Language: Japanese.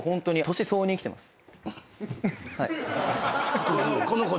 「年相応に生きてます」